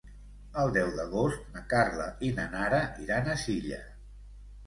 El deu d'agost na Carla i na Nara iran a Silla.